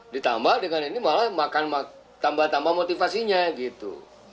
ditambah dengan ini malah makan tambah tambah motivasinya gitu